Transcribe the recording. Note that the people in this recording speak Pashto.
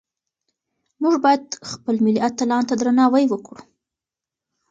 موږ باید خپل ملي اتلانو ته درناوی وکړو.